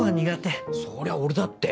そりゃ俺だって。